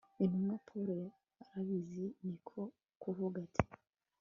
Intumwa Paulo yarabizi ni ko kuvugati